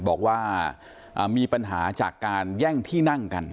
บอกว่ามีปัญหาจากการแย่งที่นั่งกัน